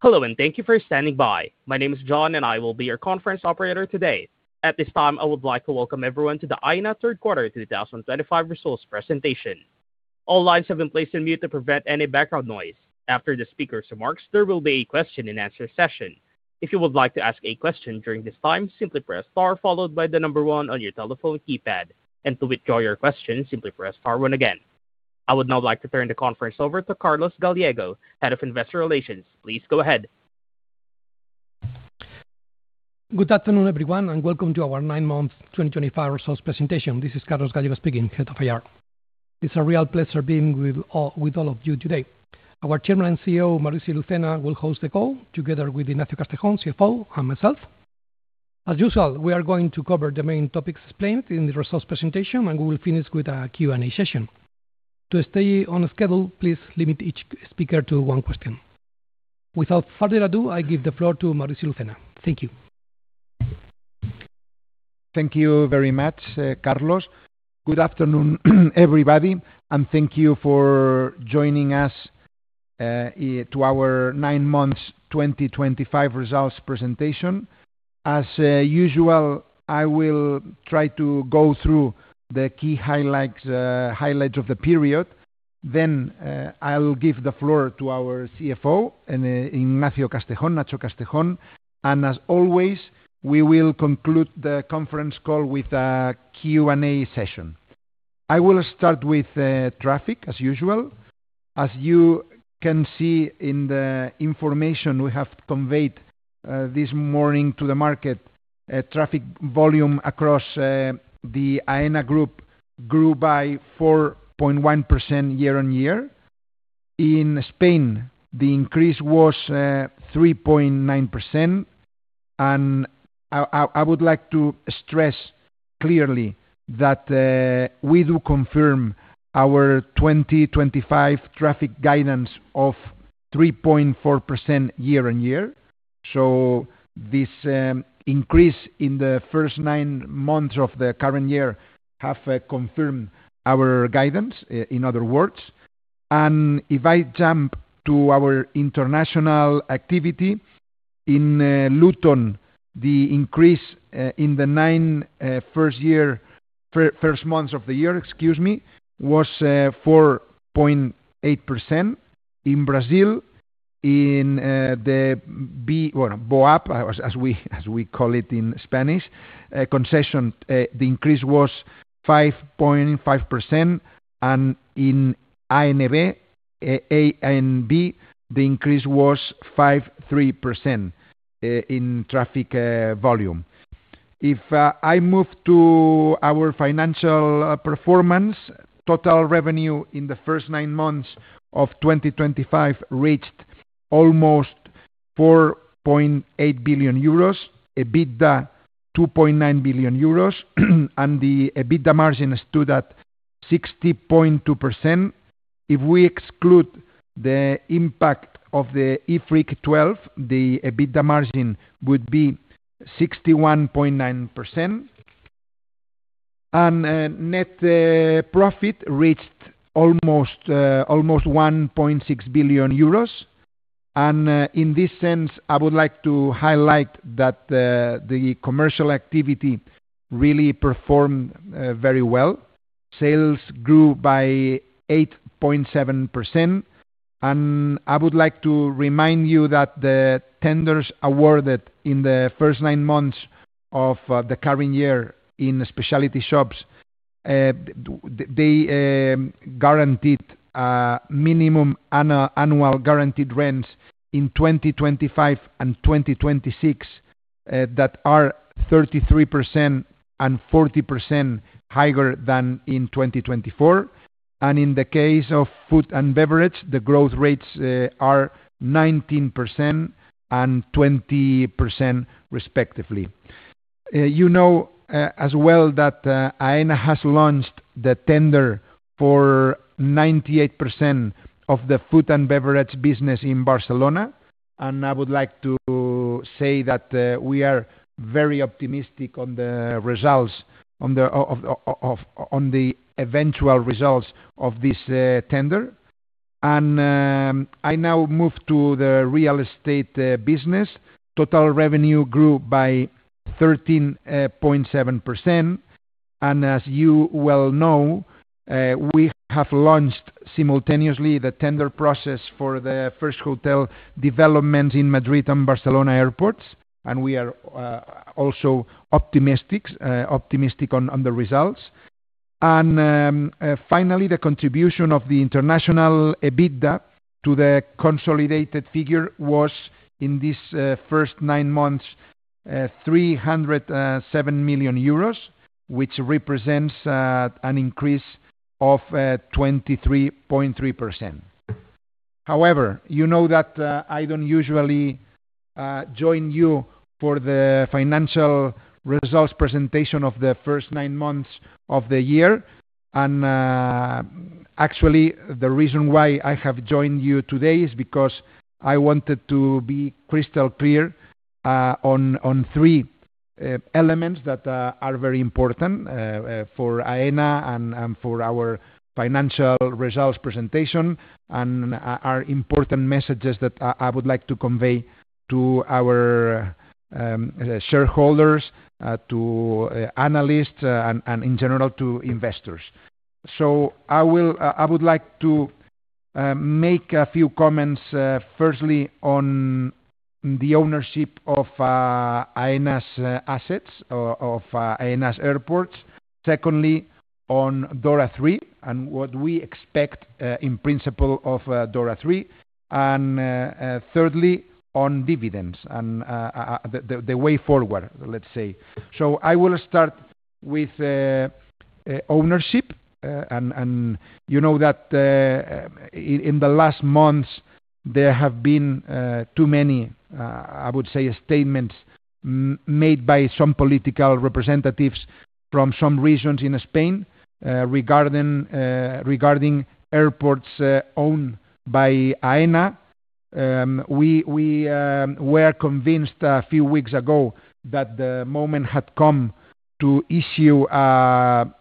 Hello and thank you for standing by. My name is John and I will be your conference operator today. At this time I would like to welcome everyone to the Aena third quarter 2025 results presentation. All lines have been placed on mute to prevent any background noise. After the speaker's remarks, there will be a question-and-answer session. If you would like to ask a question during this time, simply press star followed by the number one on your telephone keypad. To withdraw your question, simply press star one again. I would now like to turn the conference over to Carlos Gallego, Head of Investor Relations. Please go ahead. Good afternoon everyone and welcome to our nine-month 2025 results presentation. This is Carlos Gallego speaking, Head of IR. It's a real pleasure being with all of you today. Our Chairman and CEO Maurici Lucena will host the call together with Ignacio Castejón, CFO, and myself. As usual, we are going to cover the main topics explained in the results presentation and we will finish with a Q&A session. To stay on schedule, please limit each speaker to one question. Without further ado, I give the floor to Maurici Lucena. Thank you. Thank you very much, Carlos. Good afternoon everybody and thank you for joining us to our nine months 2025 results presentation. As usual, I will try to go through the key highlights of the period. Then I'll give the floor to our CFO, Ignacio Castejón, Nacho Castejón. As always, we will conclude the conference call with a Q&A session. I will start with traffic as usual. As you can see in the information we have conveyed this morning to the market, traffic volume across the Aena Group grew by 4.1% year-on-year. In Spain, the increase was 3.9%. I would like to stress clearly that we do confirm our 2025 traffic guidance of 3.4% year-on-year. This increase in the first nine months of the current year has confirmed our guidance. In other words, if I jump to our international activity in Luton, the increase in the first nine months of the year was 4.8%. In Brazil, in the BOAB concession, the increase was 5.5% and in ANB the increase was 5.3% in traffic volume. If I move to our financial performance, total revenue in the first nine months of 2025 reached almost 4.8 billion euros, EBITDA 2.9 billion euros, and the EBITDA margin stood at 60.2%. If we exclude the impact of the IFRIC 12, the EBITDA margin would be 61.9% and net profit reached almost 1.6 billion euros. In this sense, I would like to highlight that the commercial activity really performed very well. Sales grew by 8.7%. I would like to remind you that the tenders awarded in the first nine months of the current year in specialty shops guaranteed minimum annual guaranteed rents in 2025 and 2026 that are 33% and 40% higher than in 2024. In the case of food and beverage, the growth rates are 19% and 20% respectively. You know as well that Aena has launched the tender for 98% of the food and beverage business in Barcelona. I would like to say that we are very optimistic on the results, on the eventual results of this tender. I now move to the real estate business. Total revenue grew by 13.7%. As you well know, we have launched simultaneously the tender process for the first hotel development in Madrid and Barcelona airport. We are also optimistic on the results. Finally, the contribution of the international EBITDA to the consolidated figure was in this first nine months 307 million euros, which represents an increase of 23.3%. However, you know that I don't usually join you for the financial results presentation of the first nine months of the year. Actually, the reason why I have joined you today is because I wanted to be crystal clear on three elements that are very important for Aena and for our financial results presentation and are important messages that I would like to convey to our shareholders, to analysts, and in general to investors. I would like to make a few comments. Firstly, on the ownership of Aena's assets, of Aena's airports. Secondly, on DORA III and what we expect in principle of DORA III, and thirdly, on dividends and the way forward, let's say. I will start with ownership. You know that in the last months there have been too many, I would say, statements made by some political representatives from some regions in Spain regarding airports owned by Aena. We were convinced a few weeks ago that the moment had come to issue, I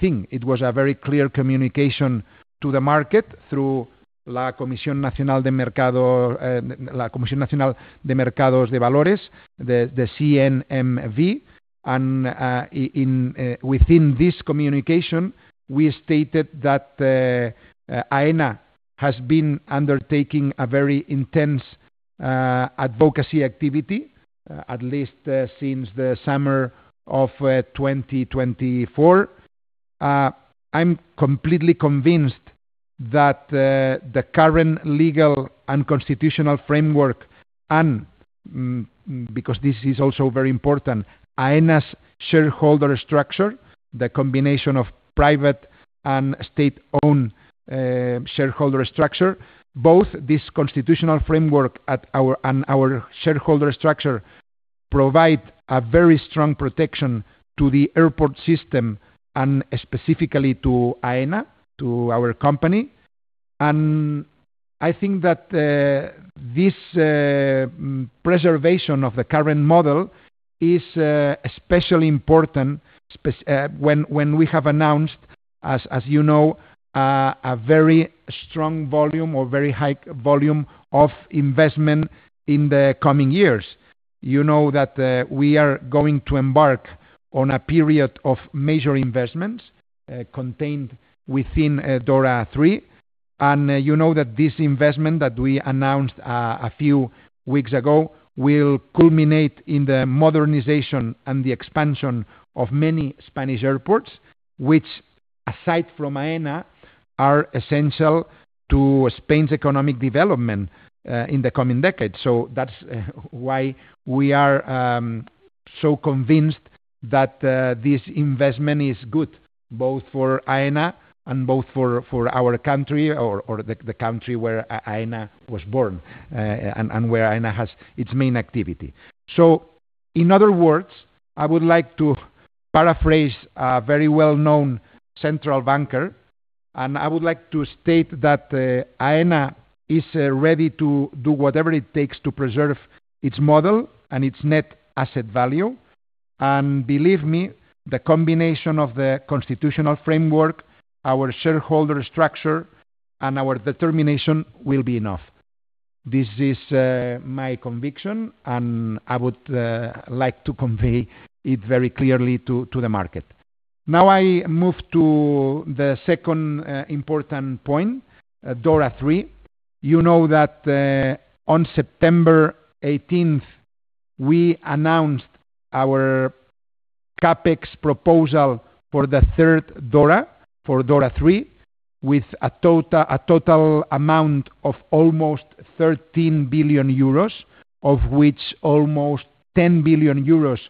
think it was a very clear communication to the market through La Comisión Nacional del Mercado de Valores, the CNMV. Within this communication we stated that Aena has been undertaking a very intense advocacy activity, at least since the summer of 2024. I'm completely convinced that the current legal and constitutional framework, and because this is also very important, Aena's shareholder structure, the combination of private and state-owned shareholder structure. Both this constitutional framework and our shareholder structure provide a very strong protection to the airport system and specifically to Aena, to our company. I think that this preservation of the current model is especially important when we have announced, as you know, a very strong volume or very high volume of investment in the coming years. You know that we are going to embark on a period of major investments contained within DORA III. You know that this investment that we announced a few weeks ago will culminate in the modernization and the expansion of many Spanish airports, which, aside from Aena, are essential to Spain's economic development in the coming decade. That's why we are so convinced that this investment is good both for Aena and both for our country or the country where Aena was born and where Aena has its main activity. In other words, I would like to paraphrase a very well known central banker, and I would like to state that Aena is ready to do whatever it takes to preserve its model and its net asset value. Believe me, the combination of the constitutional framework, our shareholder structure, and our determination will be enough. This is my conviction, and I would like to convey it very clearly to the market. Now I move to the second important point, DORA III. You know that on September 18th we announced our CapEx proposal for the third DORA, for DORA III, with a total amount of almost 13 billion euros, of which almost 10 billion euros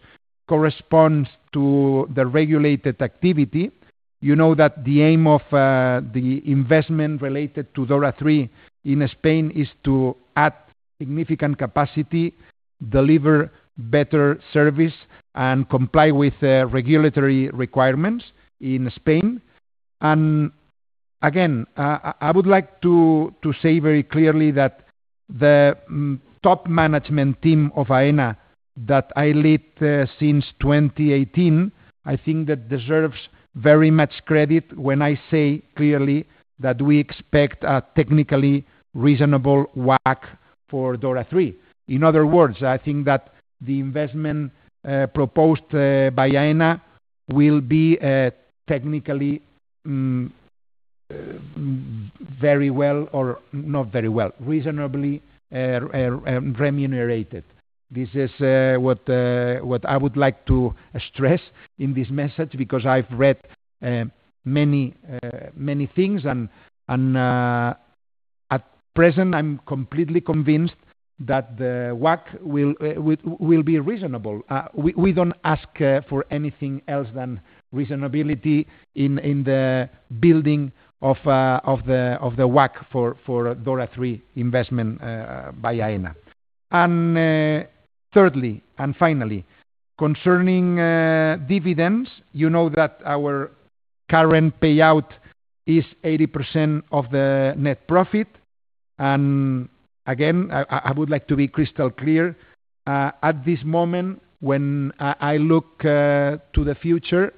corresponds to the regulated activity. You know that the aim of the investment related to DORA III in Spain is to add significant capacity, deliver better service, and comply with regulatory requirements in Spain. I would like to say very clearly that the top management team of Aena that I lead since 2018, I think that deserves very much credit when I say clearly that we expect a technically reasonable WACC for DORA III. In other words, I think that the investment proposed by Aena will be technically very well, or not very well, reasonably remunerated. This is what I would like to stress in this message, because I've read many things and at present I'm completely convinced that the WACC will be reasonable. We don't ask for anything else than reasonability in the building of the WACC for DORA III investment by Aena. Thirdly, and finally, concerning dividends, you know that our current payout is 80% of the net profit. I would like to be crystal clear at this moment, when I look to the future,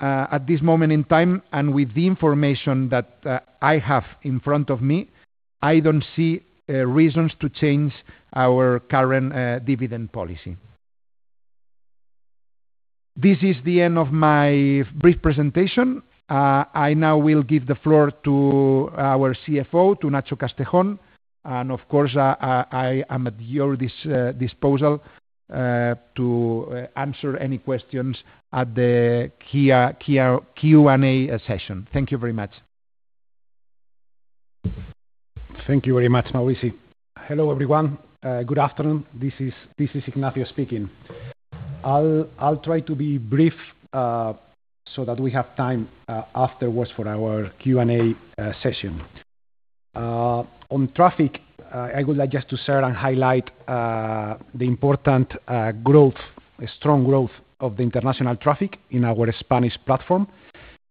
at this moment in time and with the information that I have in front of me, I don't see reasons to change our current dividend policy. This is the end of my brief presentation. I now will give the floor to our CFO, Ignacio Castejón. Of course, I am at your disposal to answer any questions at the Q&A session. Thank you very much. Thank you very much, Maurici. Hello everyone. Good afternoon, this is Ignacio speaking. I'll try to be brief so that we have time afterwards for our Q&A session on traffic. I would like just to share and highlight the important growth, strong growth of the international traffic in our Spanish platform.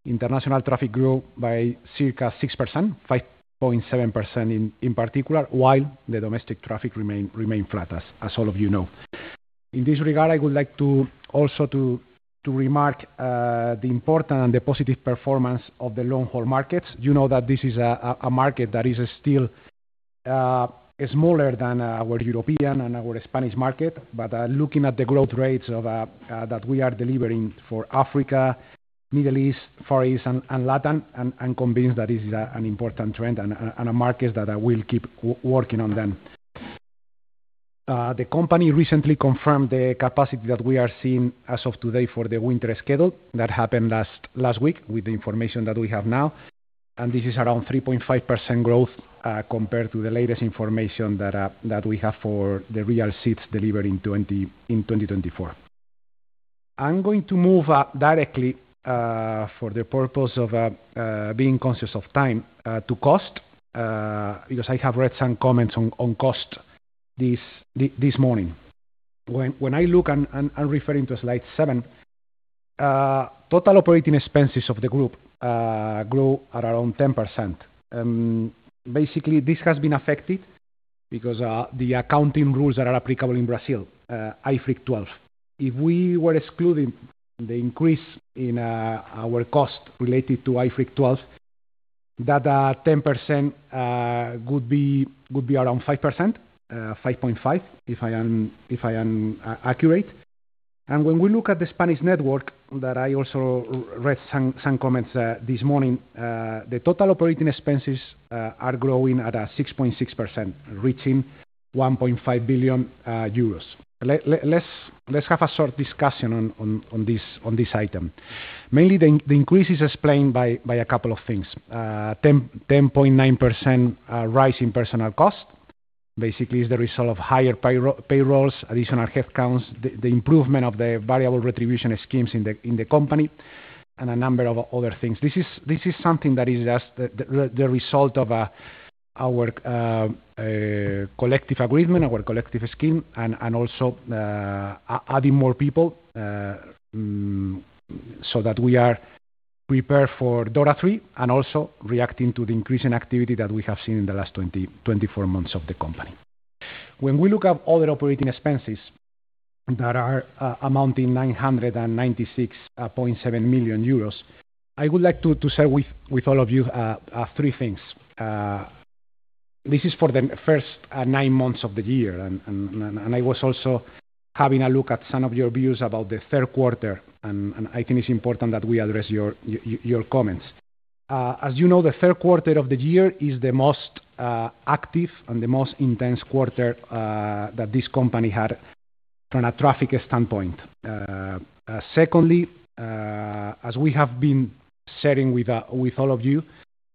International traffic grew by circa 6%, 5.7% in particular, while the domestic traffic remained flat. As all of you know, in this regard I would like to also remark the important and the positive performance of the long haul markets. You know that this is a market that is still smaller than what European and our Spanish market, but looking at the growth rates that we are delivering for Africa, Middle East, Far East, and Latin, I'm convinced that this is an important trend and a market that we'll keep working on. The company recently confirmed the capacity that we are seeing as of today for the winter schedule that happened last week. With the information that we have now, and this is around 3.5% growth compared to the latest information that we have for the real seats delivered in 2024. I'm going to move directly for the purpose of being conscious of time to cost because I have read some comments on cost this morning. When I look and referring to slide 7, total operating expenses of the group grew at around 10%. Basically this has been affected because the accounting rules that are applicable in Brazil, IFRIC 12. If we were excluding the increase in our cost related to IFRIC 12, that 10% would be around 5%, 5.5% if I am accurate. When we look at the Spanish network that I also read some comments this morning, the total operating expenses are growing at 6.6%, reaching 1.5 billion euros. Let's have a short discussion on this item. Mainly the increase is explained by a couple of things. 10.9% rise in personnel cost basically is the result of higher payrolls, additional headcounts, the improvement of the variable retribution schemes in the company, and a number of other things. This is something that is just the result of our collective agreement, our collective scheme, and also adding more people so that we are prepared for DORA III and also reacting to the increasing activity that we have seen in the last 24 months of the company. When we look at other operating expenses that are amounting to 996.7 million euros, I would like to share with all of you three things. This is for the first nine months of the year and I was also having a look at some of your views about the third quarter and I think it's important that we address your comments. As you know, the third quarter of the year is the most active and the most intense quarter that this company had from a traffic standpoint. Secondly, as we have been sharing with all of you,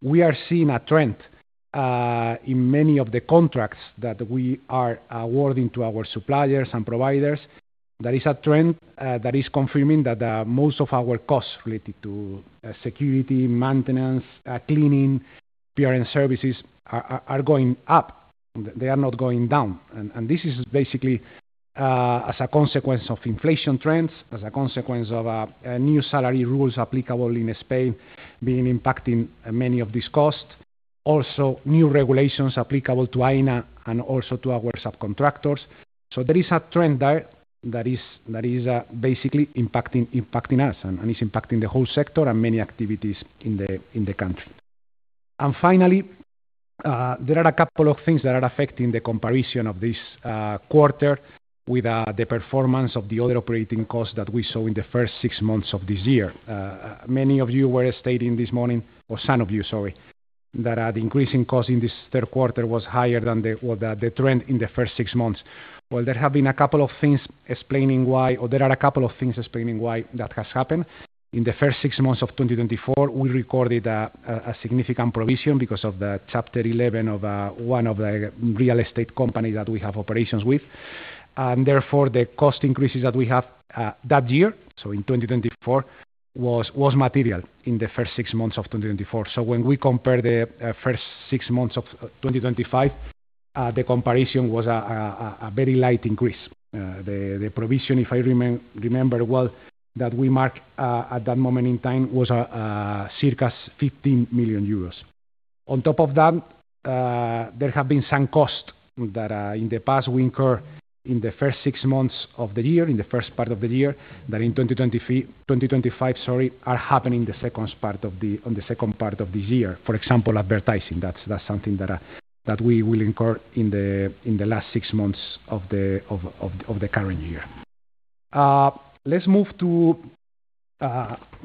we are seeing a trend in many of the contracts that we are awarding to our suppliers and providers. There is a trend that is confirming that most of our costs related to security, maintenance, cleaning, PRN services are going up. They are not going down. This is basically as a consequence of inflation trends, as a consequence of new salary rules applicable in Spain being impacting many of these costs. Also new regulations applicable to Aena and also to our subcontractors. There is a trend there that is basically impacting us and it's impacting the whole sector and many activities in the country. Finally, there are a couple of things that are affecting the comparison of this quarter with the performance of the other operating costs that we saw in the first six months of this year. Many of you were stating this morning, or some of you, sorry, that the increasing cost in this third quarter was higher than the trend in the first six months. There have been a couple of things explaining why, or there are a couple of things explaining why that has happened. In the first six months of 2024 we recorded a significant provision because of the Chapter 11 of one of the real estate companies that we have operations with and therefore the cost increases that we have that year. In 2024 it was material in the first six months of 2024. When we compare the first six months of 2025, the comparison was a very light increase. The provision, if I remember well, that we mark at that moment in time was circa 15 million euros. On top of that, there have been some costs that in the past we incur in the first six months of the year, in the first part of the year, that in 2025, sorry, are happening in the second part of this year. For example, advertising. That's something that we will incur in the last six months of the current year. Let's move to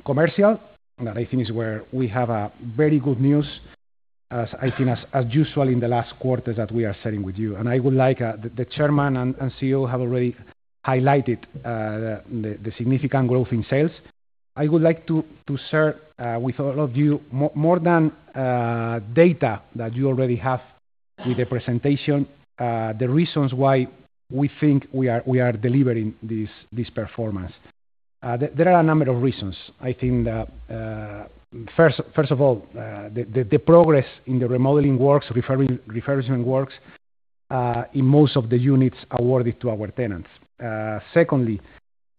commercial. I think that is where we have very good news as usual in the last quarters that we are sharing with you. I would like the Chairman and CEO have already highlighted the significant growth in sales. I would like to share with all of you more than data that you already have with the presentation. The reasons why we think we are delivering this performance. There are a number of reasons. First of all, the progress in the remodeling works, refurbishment works in most of the units awarded to our tenants. Secondly,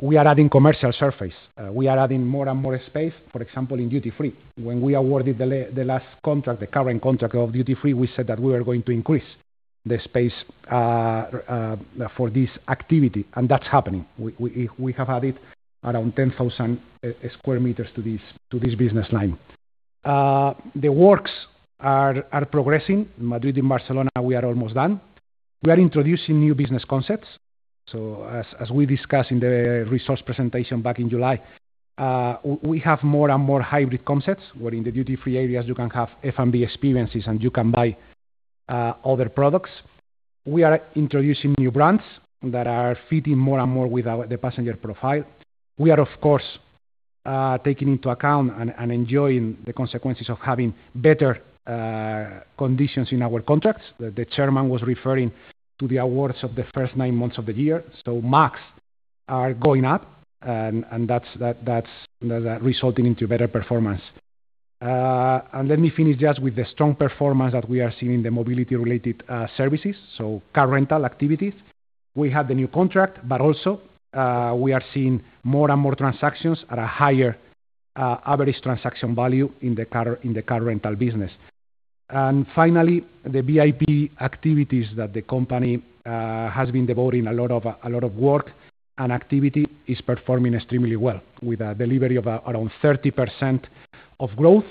we are adding commercial surface. We are adding more and more space. For example, in duty free. When we awarded the last contract, the current contract of duty free, we said that we were going to increase the space for this activity and that's happening. We have added around 10,000 square meters to this business line. The works are progressing. Madrid and Barcelona, we are almost done. We are introducing new business concepts. As we discussed in the results presentation back in July, we have more and more hybrid concepts where in the duty free areas you can have F&B experiences and you can buy other products. We are introducing new brands that are fitting more and more with the passenger profile. We are of course taking into account and enjoying the consequences of having better conditions in our contracts. The Chairman was referring to the awards of the first nine months of the year. MAGs are going up and that's resulting into better performance. Let me finish just with the strong performance that we are seeing in the mobility-related services. Car rental activities, we had the new contract, but also we are seeing more and more transactions at a higher average transaction value in the car rental business. Finally, the VIP activities that the company has been devoting a lot of work and activity is performing extremely well with a delivery of around 30% of growth,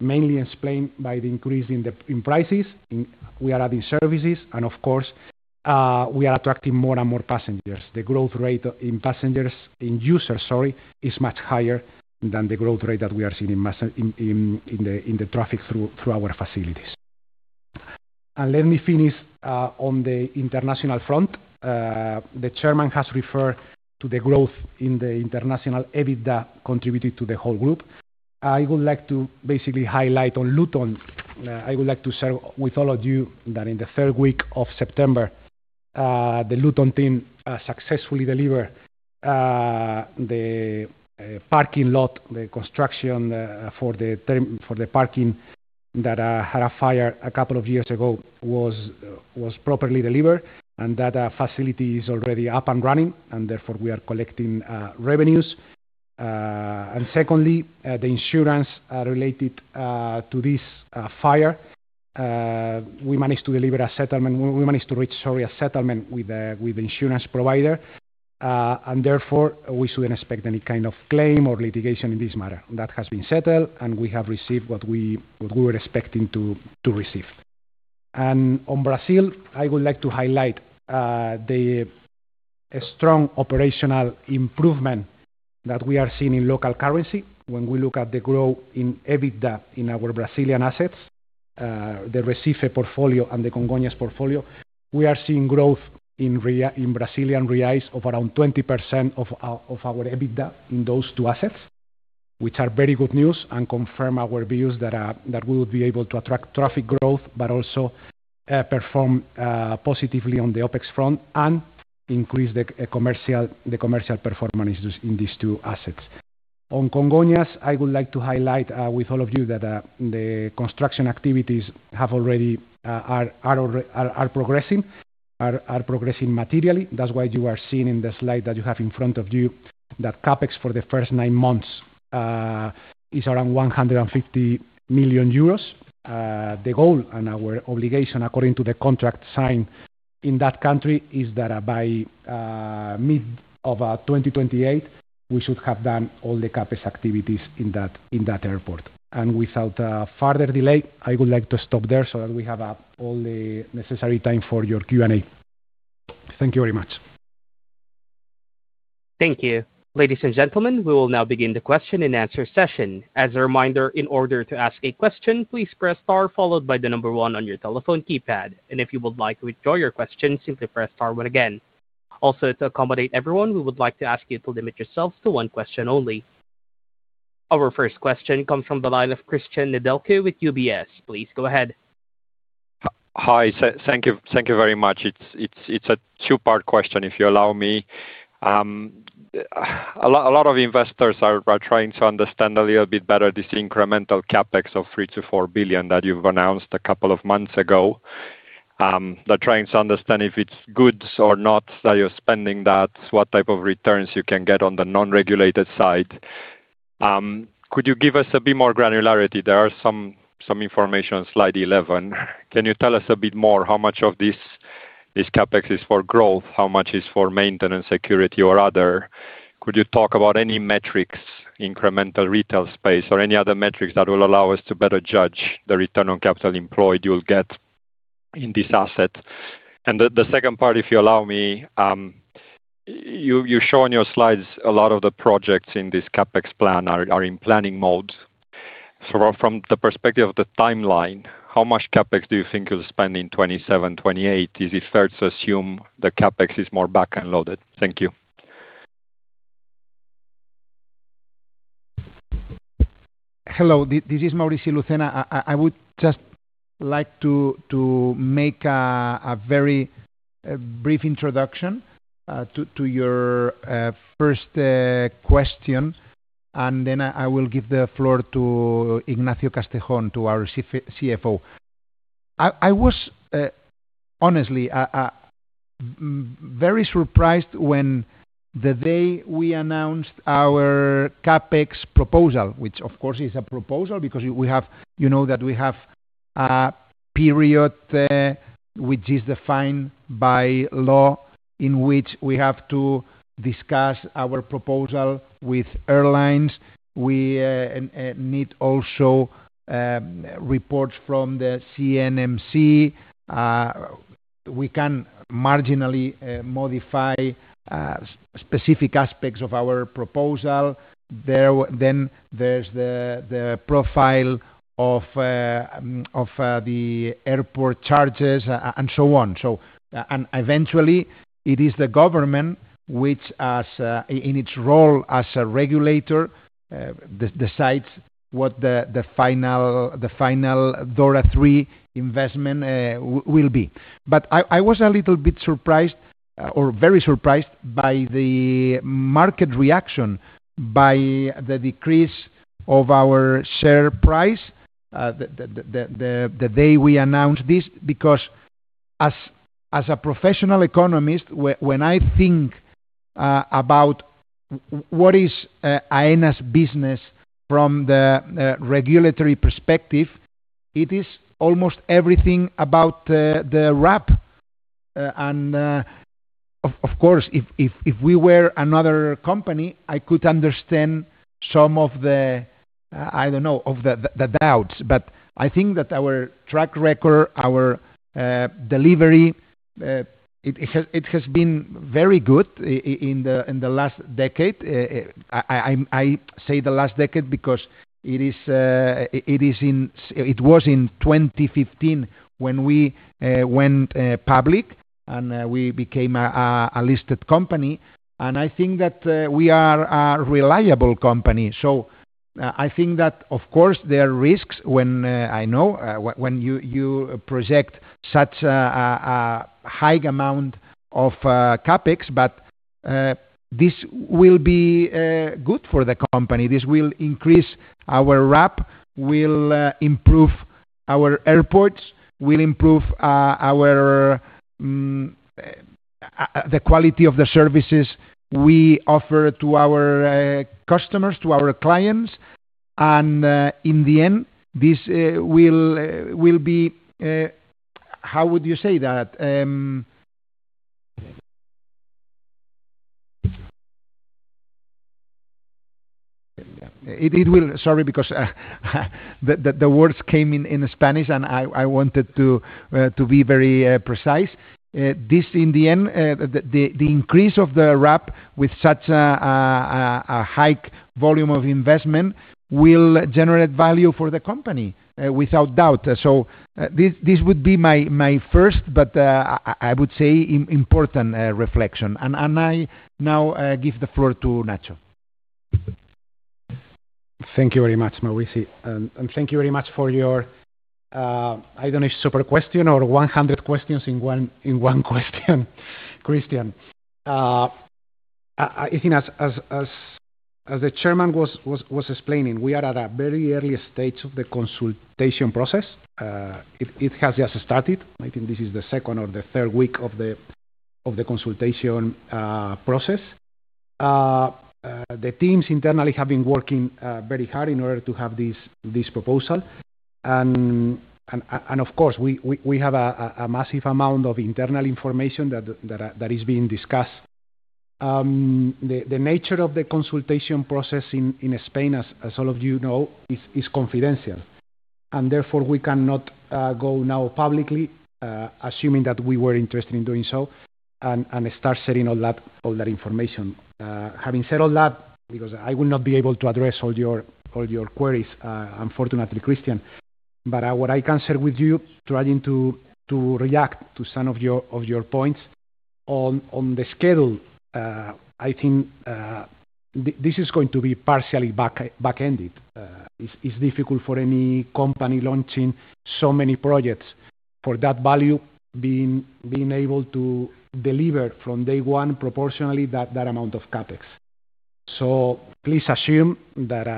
mainly explained by the increase in prices. We are adding services and of course we are attracting more and more passengers. The growth rate in passengers, in users, is much higher than the growth rate that we are seeing in the traffic through our facilities. Let me finish. On the international front, the Chairman has referred to the growth in the international EBITDA contributed to the whole group. I would like to basically highlight on Luton, I would like to share with all of you that in the third week of September, the Luton team successfully delivered the parking lot. The construction for the parking that had a fire a couple of years ago was properly delivered and that facility is already up and running and therefore we are collecting revenues. Secondly, the insurance related to this fire, we managed to deliver a settlement. We managed to reach a settlement with the insurance provider, and therefore we shouldn't expect any kind of claim or litigation in this matter. That has been settled, and we have received what we were expecting to receive. On Brazil, I would like to highlight the strong operational improvement that we are seeing. In local currency, when we look at the growth in EBITDA in our Brazilian assets, the Recife portfolio and the Congonhas portfolio, we are seeing growth in Brazilian reals of around 20% of our EBITDA in those two assets, which are very good news and confirm our views that we will be able to attract traffic growth but also perform positively on the OpEx front and increase the commercial performance in these two assets. On Congonhas, I would like to highlight with all of you that the construction activities are progressing materially. That's why you are seeing in the slide that you have in front of you that CapEx for the first nine months is around 150 million euros. The goal and our obligation according to the contract signed in that country is that by mid-2028 we should have done all the CapEx activities in that airport. Without further delay, I would like to stop there so that we have all the necessary time for your Q&A. Thank you very much. Thank you, ladies and gentlemen. We will now begin the question and answer session. As a reminder, in order to ask a question, please press star followed by the number one on your telephone keypad, and if you would like to withdraw your questions, simply press star one again. Also, to accommodate everyone, we would like to ask you to limit yourselves to one question only. Our first question comes from the line of Cristian Nedelcu with UBS. Please go ahead. Hi, thank you very much. It's a two-part question if you allow me. A lot of investors are trying to understand a little bit better this incremental CapEx of 3 billion to 4 billion that you've announced a couple of months ago. They're trying to understand if it's good or not that you're spending that, what type of returns you can get. On the non-regulated side, could you give us a bit more granularity? There is some information on slide 11. Can you tell us a bit more how much of this CapEx is for growth, how much is for maintenance, security, or other? Could you talk about any metrics, incremental retail space, or any other metrics that will allow us to better judge the return on capital employed you'll get in this asset? The second part, if you allow me, you show on your slides a lot of the projects in this CapEx plan are in planning modes from the perspective of the timeline. How much CapEx do you think you'll spend in 2027, 2028? Is it fair to assume the CapEx is more back-end loaded? Thank you. Hello, this is Maurici Lucena. I would just like to make a very brief introduction to your first question and then I will give the floor to Ignacio Castejón, to our CFO. I was honestly very surprised when the day we announced our CapEx proposal, which of course is a proposal because we have a period which is defined by law in which we have to discuss our proposal with airlines. We need also reports from the CNMC. We can marginally modify specific aspects of our proposal. There is the profile of the airport charges and so on. Eventually it is the government which in its role as a regulator decides what the final DORA III investment will be. I was a little bit surprised or very surprised by the market reaction by the decrease of our share price the day we announced this, because as a professional economist, when I think about what is Aena's business from the regulatory perspective, it is almost everything about the RAP. Of course, if we were another company, I could understand some of the doubts, but I think that our track record, our delivery, it has been very good in the last decade. I say the last decade because it was in 2015 when we went public and we became a listed company. I think that we are a reliable company. I think that of course there are risks when you project such a high amount of CapEx, but this will be good for the company. This will increase our RAP, will improve our airports, will improve the quality of the services we offer to our customers, to our clients. In the end this will be. How would you say that. It will. Sorry, because the words came in Spanish and I wanted to be very precise with this. In the end, the increase of the RAP, with such a high volume of investment, will generate value for the company, without doubt. This would be my first, but I would say important reflection, and I now give the floor to Nacho. Thank you very much, Maurici, thank you very much for your. I don't know if super question or 100 questions in one question. Cristian. I think as the Chairman was explaining, we are at a very early stage of the consultation process. It has just started. I think this is the second or the third week of the consultation process. The teams internally have been working very hard in order to have this proposal and of course we have a massive amount of internal information that is being discussed. The nature of the consultation process in Spain, as all of you know, is confidential and therefore we cannot go now publicly, assuming that we were interested in doing so, and start sharing all that information. Having said all that, because I will not be able to address all your queries unfortunately, Cristian, what I can share with you trying to react to some of your points on the schedule. I think this is going to be partially back ended. It's difficult for any company launching so many projects for that value being able to deliver from day one proportionally that amount of CapEx. Please assume that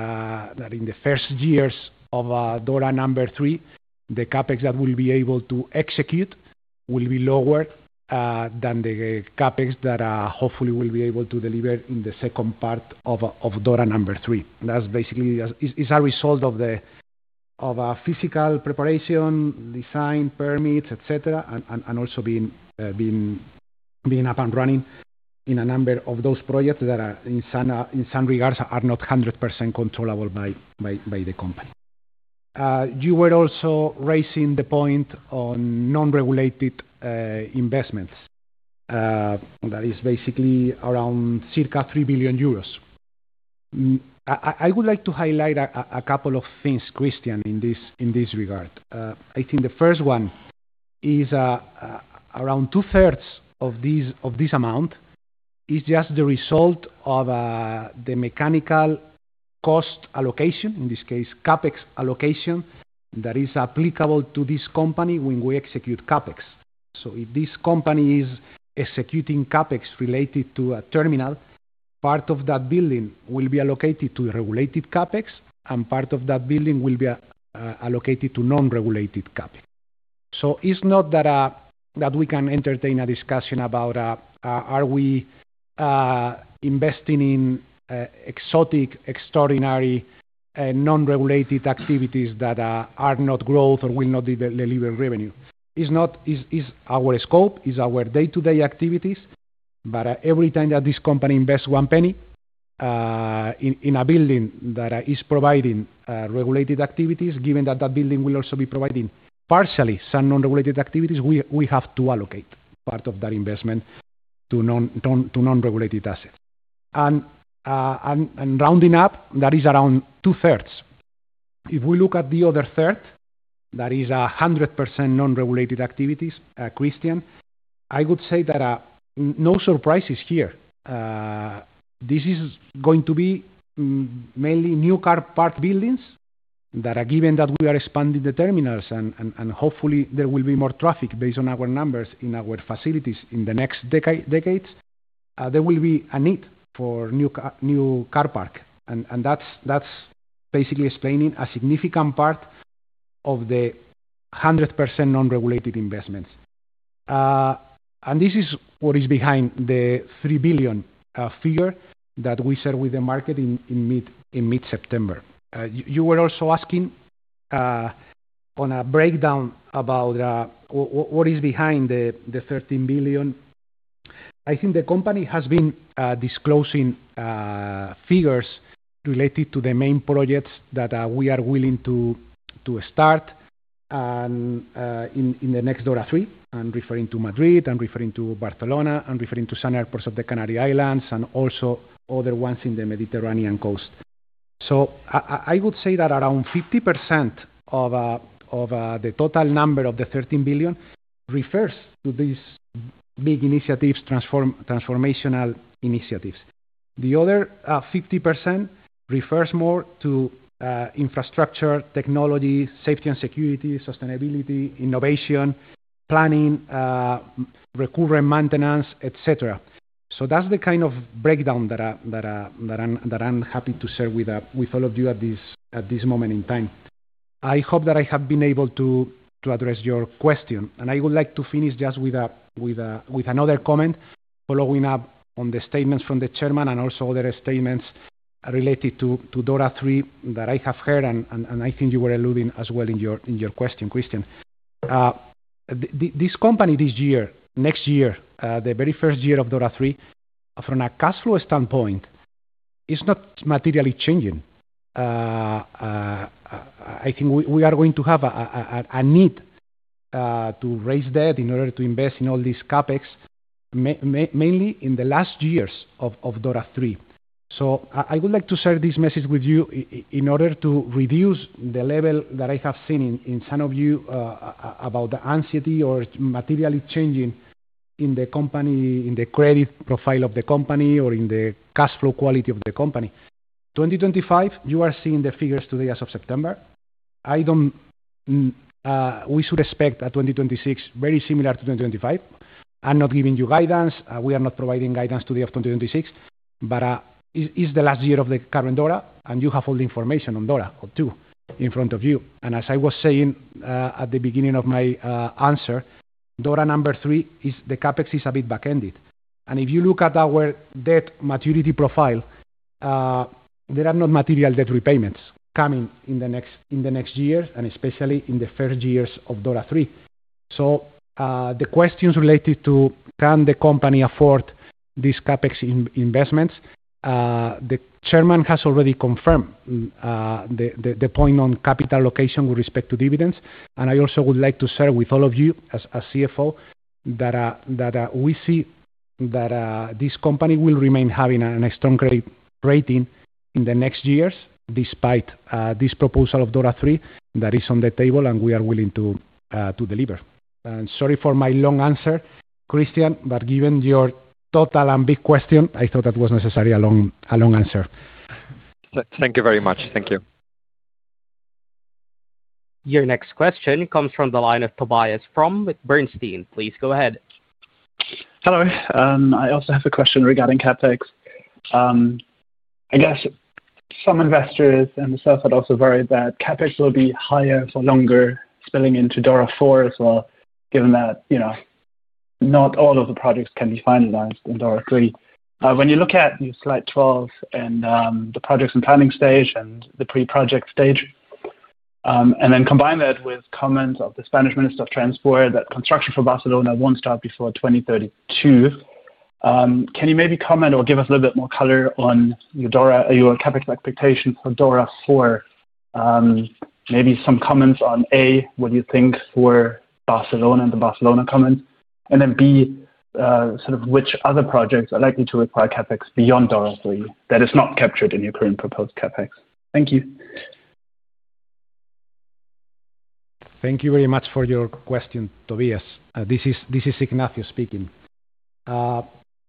in the first years of DORA III the CapEx that will be able to execute will be lower than the CapEx that hopefully will be able to deliver in the second part of DORA III. That basically is a result of physical preparation, design, permits, etc. and also being up and running in a number of those projects that in some regards are not 100% controllable by the company. You were also raising the point on non-regulated investments that is basically around circa 3 billion euros. I would like to highlight a couple of things, Cristian, in this regard. I think the first one is around 2/3 of this amount is just the result of the mechanical cost allocation, in this case CapEx allocation, that is applicable to this company when we execute CapEx. If this company is executing CapEx related to a terminal, part of that building will be allocated to regulated CapEx and part of that building will be allocated to non-regulated CapEx. It's not that we can entertain a discussion about are we investing in exotic, extraordinary non-regulated activities that are not growth or will not deliver revenue. It's our scope, it's our day-to-day activities. Every time that this company invests one penny in a building that is providing regulated activities, given that that building will also be providing partially some nonrelated activities, we have to allocate part of that investment to non regulated assets, and rounding up, that is around 2/3. If we look at the other third, that is 100% non-regulated activities. Cristian, I would say that no surprises here. This is going to be mainly new car park buildings, given that we are expanding the terminals and hopefully there will be more traffic. Based on our numbers in our facilities in the next decades, there will be a need for new car park, and that's basically explaining a significant part of the 100% non-regulated investments. This is what is behind the 3 billion figure that we shared with the market in mid September. You were also asking on a breakdown about what is behind the 13 billion. I think the company has been disclosing figures related to the main projects that we are willing to start in the next DORA III, I'm referring to Madrid, I'm referring to Barcelona, and referring to some airports of the Canary Islands and also other ones in the Mediterranean coast. I would say that around 50% of the total number of the 13 billion refers to these big initiatives, transformational initiatives. The other 50% refers more to infrastructure, technology, safety and security, sustainability, innovation, planning, recovery, maintenance, etc. That's the kind of breakdown that I'm happy to share with all of you at this moment in time. I hope that I have been able to address your question and I would like to finish just with another comment following up on the statements from the Chairman and also other statements related to DORA III that I have heard. I think you were alluding as well in your question, Cristian, this company, this year, next year, the very first year of DORA III from a cash flow standpoint is not materially changing. I think we are going to have a need to raise debt in order to invest in all these CapEx, mainly in the last years of DORA III. I would like to share this message with you in order to reduce the level that I have seen in some of you about the anxiety or materially changing in the company, in the credit profile of the company, or in the cash flow quality of the company. 2025, you are seeing the figures today as of September. We should expect a 2026 very similar to 2025. I'm not giving you guidance, we are not providing guidance today of 2026, but it's the last year of the current DORA and you have all the information on DORA II in front of you. As I was saying at the beginning of my answer, DORA number three, the CapEx is a bit back ended and if you look at our debt maturity profile, there are no material debt repayments coming in the next year and especially in the first years of DORA III. The questions related to can the company afford these CapEx investments, the Chairman has already confirmed the point on capital allocation with respect to dividends and I also would like to share with all of you as a CFO that we see that this company will remain having a strong credit rating in the next years despite this proposal of DORA III that is on the table and we are willing to deliver. Sorry for my long answer, Cristian, but given your total and big question, I thought that was necessarily a long answer. Thank you very much. Thank you. Your next question comes from the line of Tobias from Bernstein. Please go ahead. Hello, I also have a question regarding CapEx. I guess some investors and the staff had also worried that CapEx will be higher for longer, spilling into DORA IV as well, given that you know not all of the projects can be finalized in DORA III. When you look at slide 12. The projects and planning stage and the pre-project stage, and then combine that with comments of the Spanish Minister of Transport that construction for Barcelona won't start before 2032. Can you maybe comment or give us a little bit more color on your capital expectations DORA IV, for maybe some comments on A, what you think were Barcelona and the Barcelona comment, and then B, sort of which other projects are likely to require CapEx beyond DORA III that is not captured in your current proposed CapEx. Thank you. Thank you very much for your question, Tobias. This is Ignacio speaking.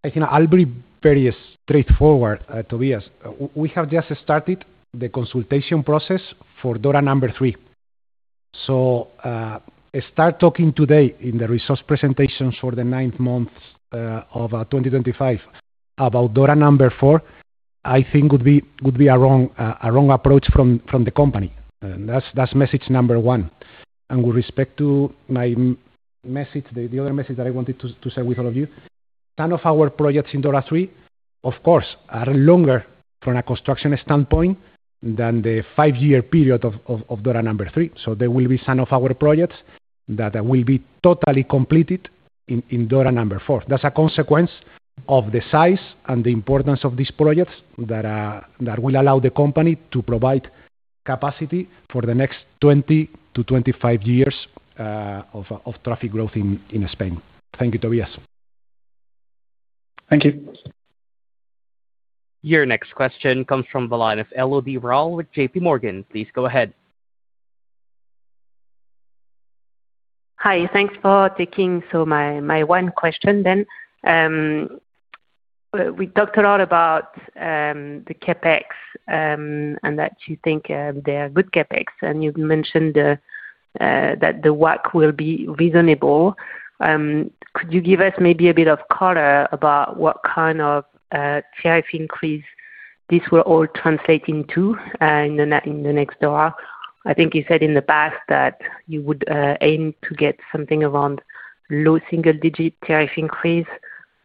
I think I'll be very straightforward, Tobias. We have just started the consultation process for DORA III. To start talking today in the results presentations for the ninth month of 2025 about DORA IV I think would be a wrong approach from the company. That's message number one. With respect to my message, the other message that I wanted to share with all of you, none of our projects in DORA III, of course, are longer from a construction standpoint than the five-year period of DORA III. There will be some of our projects that will be totally completed in DORA IV. That's a consequence of the size and the importance of these projects that will allow the company to provide capacity for the next 20 to 25 years of traffic growth in Spain. Thank you, Tobias. Thank you. Your next question comes from the line of Elodie Rall with JPMorgan. Please go ahead. Hi, thanks for taking my one question then. We talked a lot about the CapEx and that you think they are good CapEx, and you've mentioned that the WACC will be reasonable. Could you give us maybe a bit of color about what kind of tariff increase this will all translate into in the next DORA? I think you said in the past that you would aim to get something around low single digit tariff increase,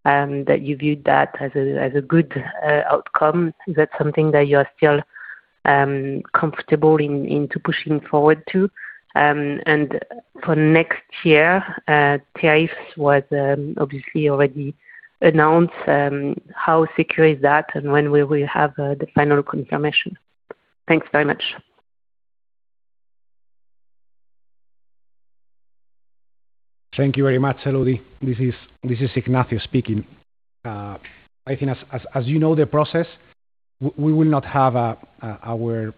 that you viewed that as a good outcome. Is that something that you are still comfortable into pushing forward to and for next year? Tariffs was obviously already announced. How secure is that and when we will have the final confirmation? Thanks very much. Thank you very much. Elodie, this is Ignacio speaking. I think as you know the process, we will not have our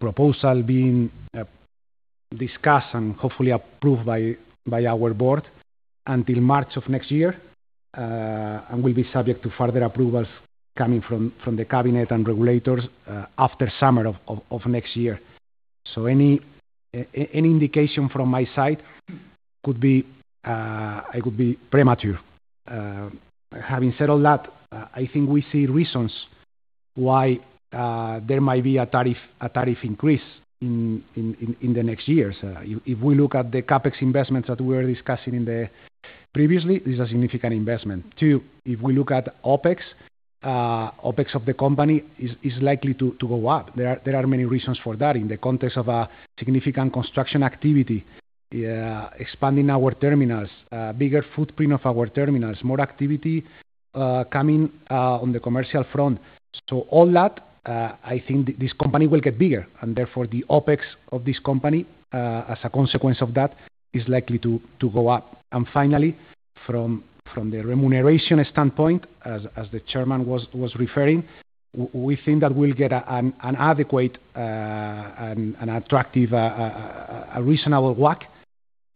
proposal being discussed and hopefully approved by our board until March of next year and will be subject to further approvals coming from the cabinet and regulators after summer of next year. Any indication from my side could be premature. Having said all that, I think we see reasons why there might be a tariff increase in the next years. If we look at the CapEx investments that we were discussing previously, this is a significant investment. If we look at OpEx, OpEx of the company is likely to go up. There are many reasons for that. In the context of a significant construction activity, expanding our terminals, bigger footprint of our terminals, more activity coming on the commercial front. All that, I think this company will get bigger and therefore the OpEx of this company, as a consequence of that, is likely to go up. Finally, from the remuneration standpoint, as the Chairman was referring, we think that we'll get an adequate, an attractive, reasonable WACC.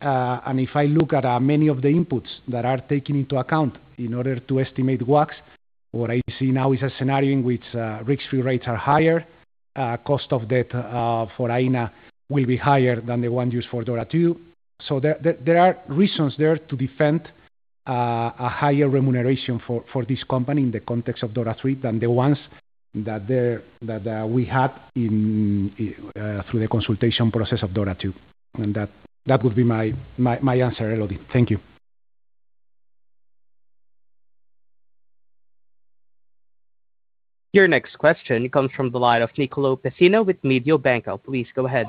If I look at many of the inputs that are taken into account in order to estimate WACC, what I see now is a scenario in which risk-free rates are higher, cost of debt for Aena will be higher than the one used for DORA II. There are reasons there to defend a higher remuneration for this company in the context of DORA III than the ones that we had through the consultation process of DORA II. That would be my answer. Elodie, thank you. Your next question comes from the line of Nicolo Pessina with Mediobanca. Please go ahead.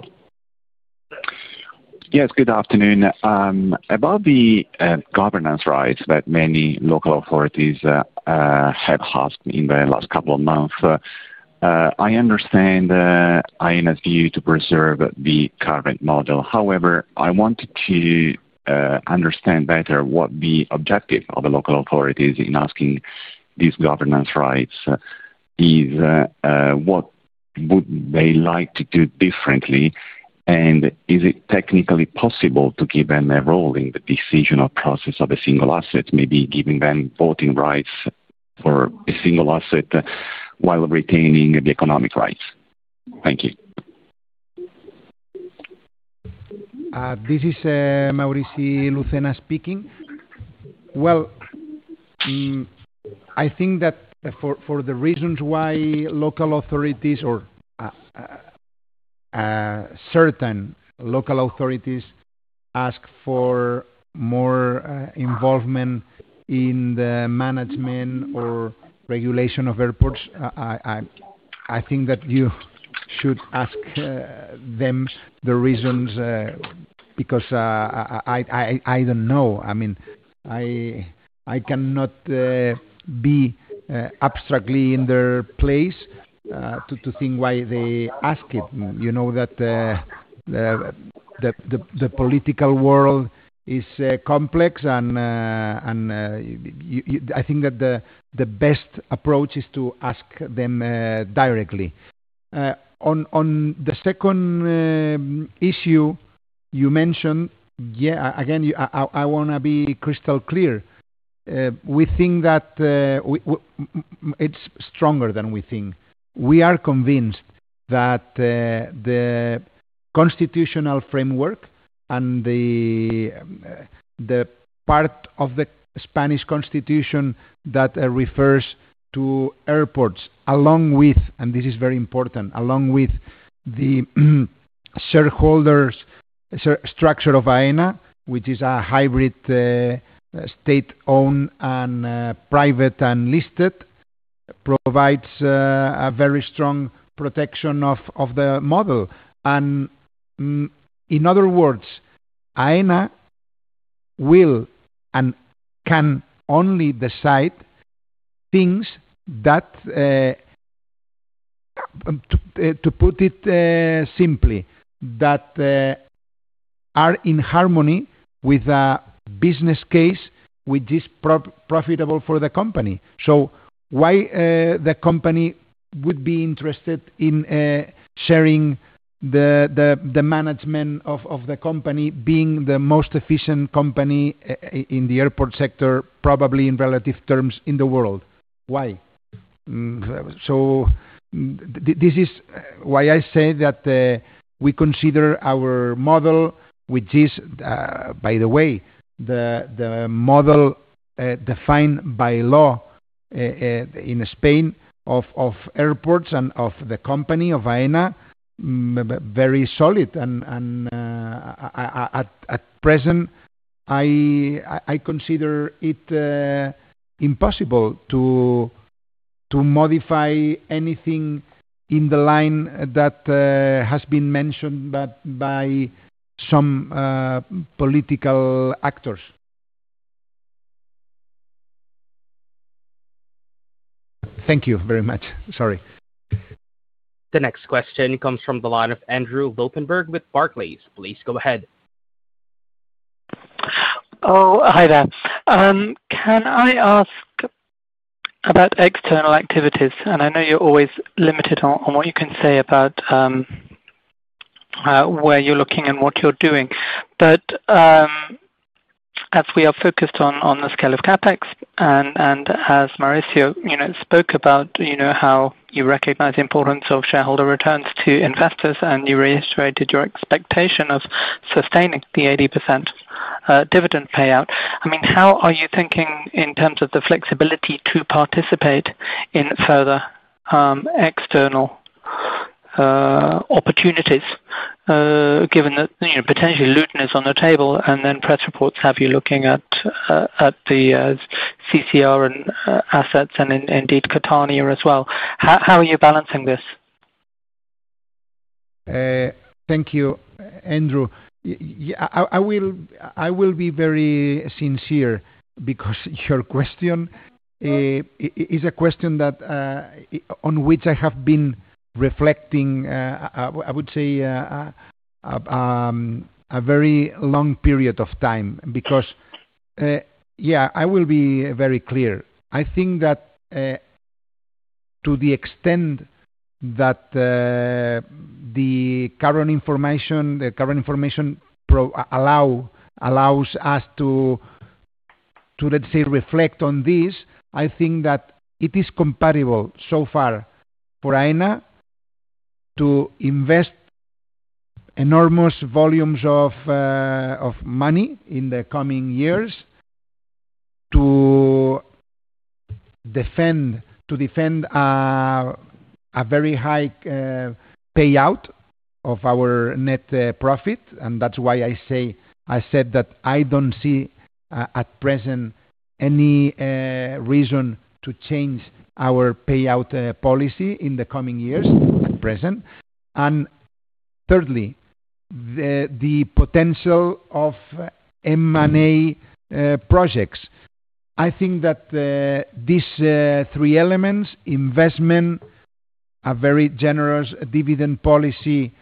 Yes, good afternoon. About the governance rights that many local authorities have asked in the last couple of months. I understand Aena's view to preserve the current model. However, I wanted to understand better what the objective of the local authorities in asking these governance rights is. What would they like to do differently, and is it technically possible to give them a role in the decision or process of a single asset, maybe giving them voting rights for a single asset while retaining the economic rights? Thank you. This is Maurici speaking. I think that for the reasons why local authorities or certain local authorities ask for more involvement in the management or regulation of airports, I think that you should ask them the reasons, because I don't know, I mean, I cannot be abstractly in their place to think why they ask it. You know that the political world is complex, and I think that the best approach is to ask them directly. On the second issue you mentioned, I want to be crystal clear. We think that it's stronger than we think. We are convinced that the constitutional framework and the part of the Spanish constitution that refers to airports, along with, and this is very important, along with the shareholders structure of Aena, which is a hybrid state-owned and private and listed, provides a very strong protection of the model. In other words, Aena will and can only decide things that, to put it simply, are in harmony with a business case which is profitable for the company. Why would the company be interested in sharing the management of the company, being the most efficient company in the airport sector, probably in relative terms in the world? This is why I say that we consider our model, which is, by the way, the model defined by law in Spain of airports and of the company of Aena, very solid. At present, I consider it impossible to modify anything in the line that has been mentioned, but by some political actors. Thank you very much. Sorry. The next question comes from the line of Andrew Lobbenberg with Barclays. Please go ahead. Oh, hi there. Can I ask about external activities? I know you're always limited on what you can say about where you're. Looking at what you're doing, as we are focused on the scale of CapEx and as Maurici spoke about how you recognize the importance of shareholder returns to investors and you reiterated your expectation of sustaining the 80% dividend payout, I mean, how are you thinking in terms of the flexibility to participate in further external opportunities given that potentially Luton is on the table? Press reports have you looking at the CCR assets and indeed Catania as well. How are you balancing this? Thank you, Andrew. I will be very sincere because your question is a question on which I have been reflecting, I would say, a very long period of time because, yeah, I will be very clear. I think that to the extent that the current information, the current information allows us to, let's say, reflect on this, I think that it is compatible so far for Aena to invest enormous volumes of money in the coming years to defend a very high payout of our net profit. That's why I said that I don't see at present any reason to change our payout policy in the coming years at present. Thirdly, the potential of M&A projects, I think that these three elements, investment, a very generous dividend policy,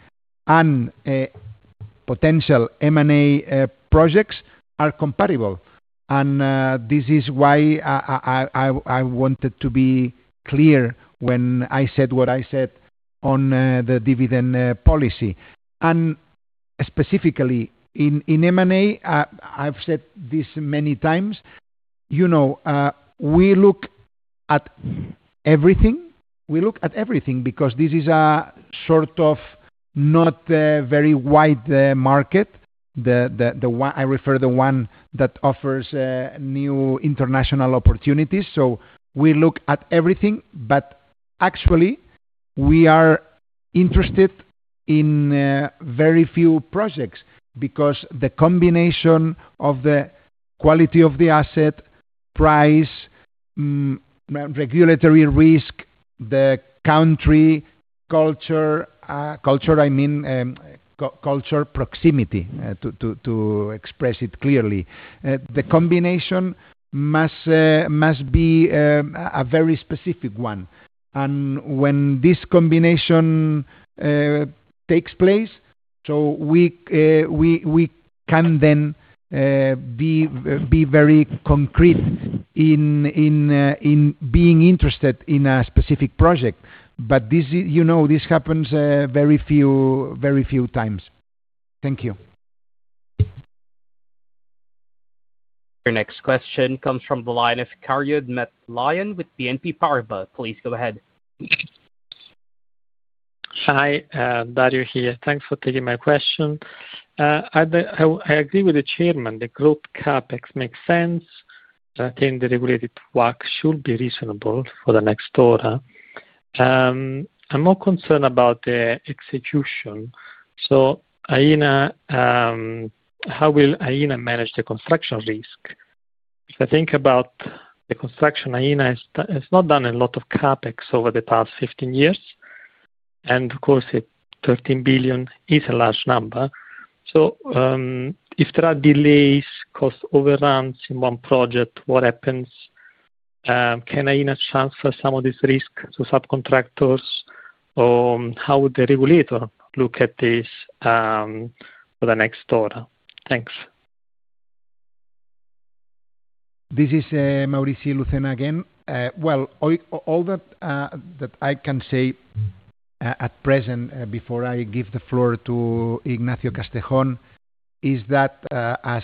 and potential M&A projects, are compatible. This is why I wanted to be clear when I said what I said on the dividend policy and specifically in M&A. I've said this many times, you know, we look at everything, we look at everything because this is a sort of not very wide market, I refer to the one that offers new international opportunities. We look at everything, but actually we are interested in very few projects because the combination of the quality of the asset, price, regulatory risk, the country, culture, I mean culture, proximity, to express it clearly, the combination must be a very specific one. When this combination takes place, we can then be very concrete in being interested in a specific project. You know, this happens very few times. Thank you. Your next question comes from the line of Dario Maglione with BNP Paribas. Please, go ahead. Hi, Dario here. Thanks for taking my question. I agree with the Chairman. The group CapEx makes sense. I think the regulated work should be reasonable for the next order. I'm more concerned about the execution. How will Aena manage the construction risk? If I think about the construction, Aena has not done a lot of CapEx over the past 15 years, and of course 13 billion is a large number. If there are delays or cost overruns in one project, what happens? Can Aena transfer some of this risk to subcontractors? How would the regulator look at this for the next order? Thanks. This is Maurici Lucena again. All that I can say at present, before I give the floor to Ignacio Castejón, is that as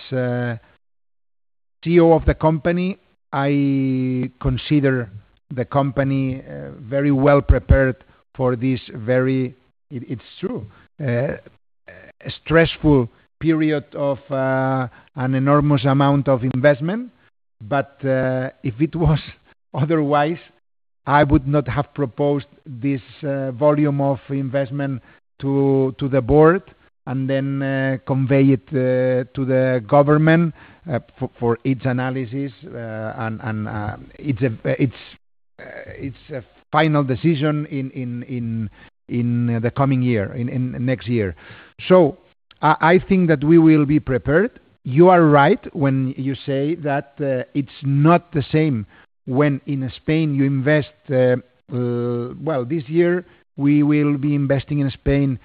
CEO of the company, I consider the company very well prepared for this very, it's true, stressful period of an enormous amount of investment. If it was otherwise, I would not have proposed this volume of investment to the board and then convey it to the government for its analysis. And it's a final decision in the coming year, next year. I think that we will be prepared. You are right when you say that it's not the same when in Spain you invest. This year we will be investing in Spain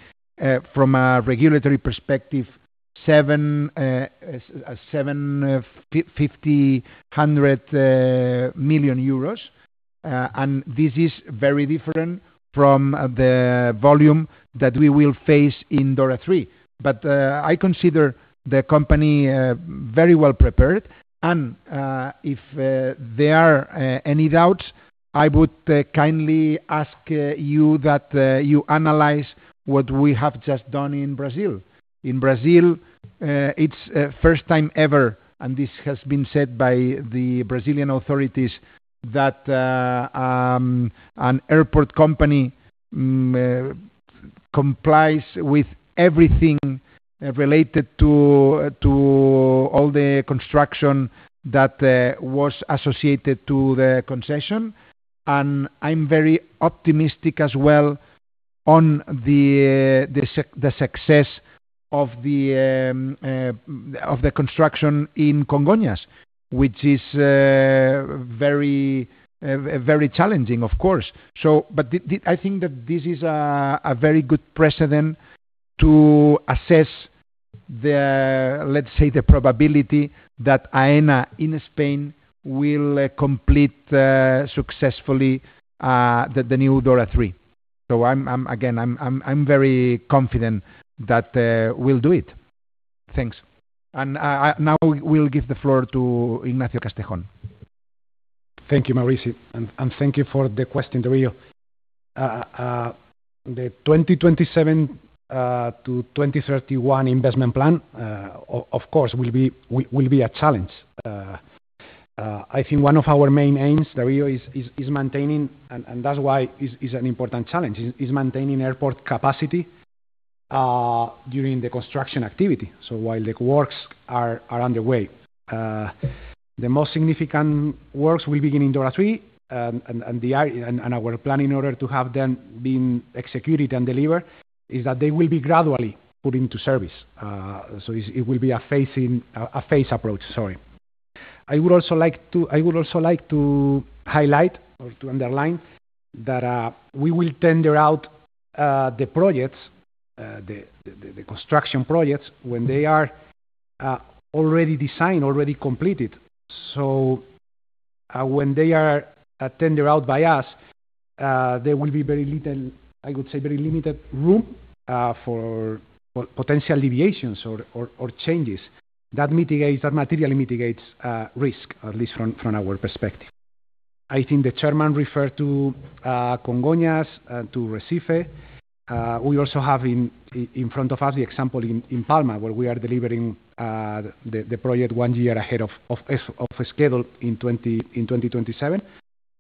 from a regulatory perspective, 750 million euros. This is very different from the volume that we will face in DORA III. I consider the company very well prepared. If there are any doubts, I would kindly ask you that you analyze what we have just done in Brazil. In Brazil, it's the first time ever, and this has been said by the Brazilian authorities, that an airport company complies with everything related to all the construction that was associated to the concession. I'm very optimistic as well on the success of the construction in Congonhas, which is very, very challenging, of course. I think that this is a very good precedent to assess, let's say, the probability that Aena in Spain will complete successfully the new DORA III. I'm very confident that we'll do it. Thanks. Now we'll give the floor to Ignacio Castejón. Thank you, Maurici, and thank you for the question, Dario. The 2027–2031 investment plan, of course, will be a challenge. I think one of our main aims is maintaining, and that's why it's an important challenge, is maintaining airport capacity during the construction activity. While the works are underway, the most significant works will begin in DORA III. Our plan in order to have them being executed and delivered is that they will be gradually put into service. It will be a phased approach. I would also like to highlight or to underline that we will tender out the projects, the construction projects, when they are already designed, already completed. When they are tendered out by us, there will be very little, I would say, very limited room for potential deviations or changes. That mitigates, that materially mitigates risk, at least from our perspective. I think the Chairman referred to Congonhas to Recife. We also have in front of us the example in Palma where we are delivering the project one year ahead of schedule in 2027.